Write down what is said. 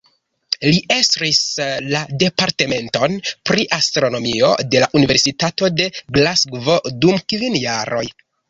Li estris la Departementon pri astronomio de la Universitato de Glasgovo dum kvin jaroj.